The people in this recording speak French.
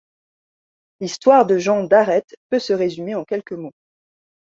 L’histoire de Jean Darette peut se résumer en quelques mots.